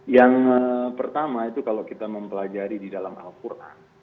yang pertama itu kalau kita mempelajari di dalam al quran